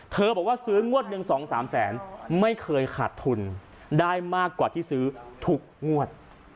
บอกว่าซื้องวดหนึ่ง๒๓แสนไม่เคยขาดทุนได้มากกว่าที่ซื้อทุกงวด